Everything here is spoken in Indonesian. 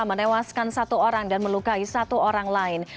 menewaskan satu orang dan melukai satu orang lain